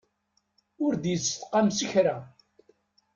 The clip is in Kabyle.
Ur d-yestqam s kra.